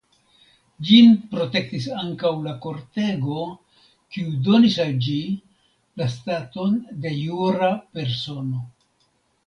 Ĝin protektis ankaŭ la kortego kiu donis al ĝi la staton de jura persono.